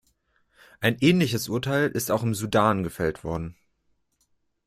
Ein ähnliches Urteil ist auch im Sudan gefällt worden.